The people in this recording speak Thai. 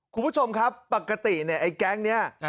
คุณผู้ชมครับปกติเนี่ยไอ้แก๊งนี้